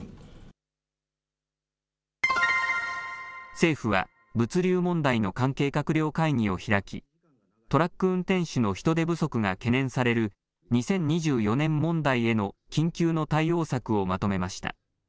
政府は物流問題の関係閣僚会議を開きトラック運転手の人手不足が懸念される２０２４年問題への緊急の対応策をまとめました。